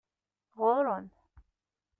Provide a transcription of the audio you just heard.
Ɣuṛ-m!